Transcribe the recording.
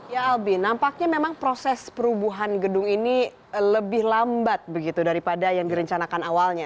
ya albi nampaknya memang proses perubuhan gedung ini lebih lambat begitu daripada yang direncanakan awalnya